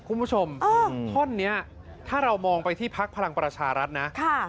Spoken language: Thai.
คุณผู้ชมท่อนนี้ถ้าเรามองไปที่พักพลังประชารัฐนะ